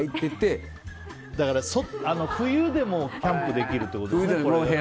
冬でもキャンプできるってことですね。